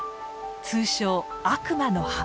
通称悪魔の歯。